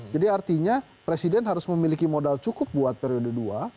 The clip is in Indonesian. jadi artinya presiden harus memiliki modal cukup buat periode dua